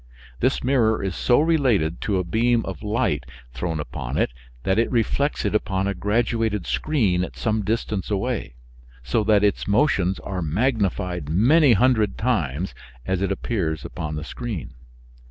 This mirror is so related to a beam of light thrown upon it that it reflects it upon a graduated screen at some distance away, so that its motions are magnified many hundred times as it appears upon the screen.